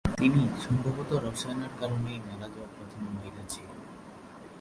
তিনি সম্ভবত "রসায়নের কারণেই মারা যাওয়া প্রথম মহিলা" ছিলেন।